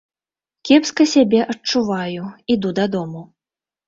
Кепска сябе адчуваю, іду дадому.